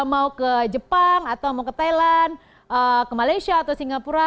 mau ke jepang atau mau ke thailand ke malaysia atau singapura